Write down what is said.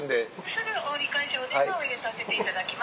すぐ折り返しお電話を入れさせていただきます。